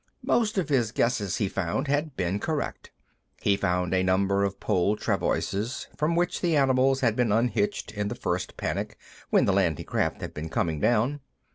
Most of his guesses, he found, had been correct. He found a number of pole travoises, from which the animals had been unhitched in the first panic when the landing craft had been coming down.